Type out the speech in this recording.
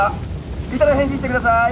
いたら返事してください